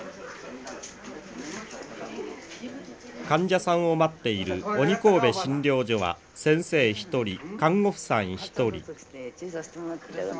患者さんを待っている鬼首診療所は先生１人看護婦さん１人。